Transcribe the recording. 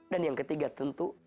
dan yang ketiga tentu